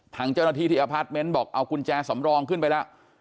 ทางเจ้าหน้าที่ที่อพาร์ทเมนต์บอกเอากุญแจสำรองขึ้นไปแล้ว